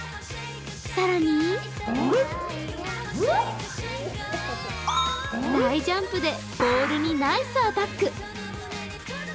更に、大ジャンプでボールにナイスアタック。